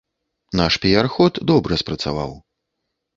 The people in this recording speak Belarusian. Наш піяр-ход добра спрацаваў.